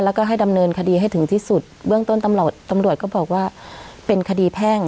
แล้วก็ให้ดำเนินคดีให้ถึงที่สุดเบื้องต้นตำรวจตำรวจก็บอกว่าเป็นคดีแพ่ง